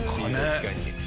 確かに。